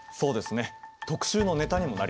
特集のネタにもなりそうだ。